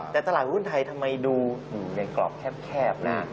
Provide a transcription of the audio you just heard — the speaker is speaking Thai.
แต่ตลาดหุ้นไทยทำไมดูอย่างกรอบแคบนะ